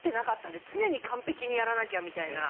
常に完璧にやらなきゃみたいな。